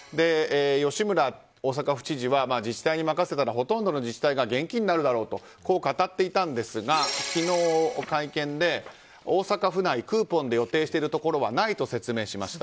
吉村大阪府知事は自治体に任せたらほとんどの自治体が現金になるだろうとこう語っていたんですが昨日、会見で大阪府内クーポンで予定しているところはないと説明しました。